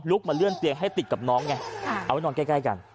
มาเลื่อนเตียงให้ติดกับน้องไงเอาไว้นอนใกล้กัน